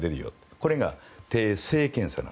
これが定性検査。